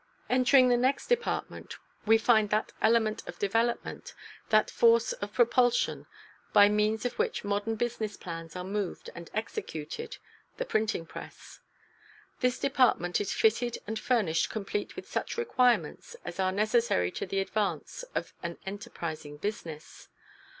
Entering the next department, we find that element of development, that force of propulsion by means of which modern business plans are moved and executed the printing press. This department is fitted and furnished complete with such requirements as are necessary to the advance of an enterprising business.